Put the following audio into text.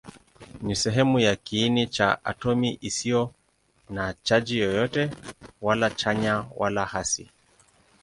Ni sehemu ya kiini cha atomi isiyo na chaji yoyote, wala chanya wala hasi.